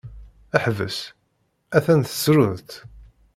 Ḥbes! a-t-an tessruḍ-t!